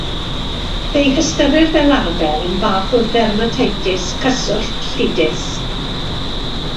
Fe'i hystyrir fel arfer yn fath o ddermatitis cyswllt llidus.